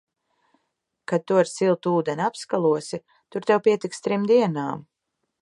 Kad tu ar siltu ūdeni apskalosi, tur tev pietiks trim dienām.